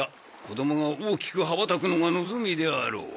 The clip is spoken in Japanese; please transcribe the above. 子供が大きく羽ばたくのが望みであろう。